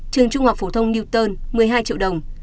trường trung học phổ thông newton một mươi hai triệu đồng